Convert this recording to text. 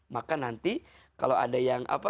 maka nanti kalau ada yang apa